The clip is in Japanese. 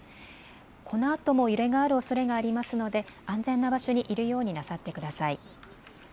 このあとも揺れがあるおそれがありますので安全な場所にいるようになさってください。